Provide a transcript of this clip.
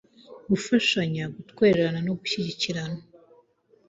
gufashanya, gutwererana no gushyingirana